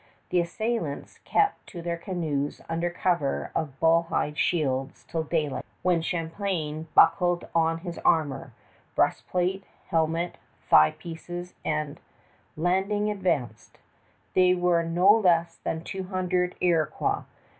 The assailants kept to their canoes under cover of bull hide shields till daylight, when Champlain buckled on his armor breastplate, helmet, thigh pieces and landing, advanced. There were not less than two hundred Iroquois.